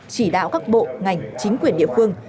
chỉ đạo các bộ ngành chính quyền địa phương